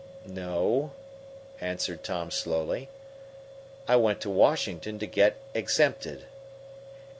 "No," answered Tom slowly. "I went to Washington to get exempted."